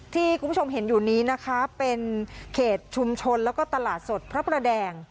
ที่คุณผู้ชมเห็นอยู่นี้นะคะเป็นเขตชุมชนแล้วก็ตลาดสดพระประแดง